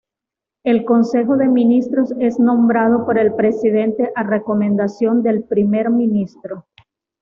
El Concejo de Ministros es nombrado por el Presidente a recomendación del primer ministro.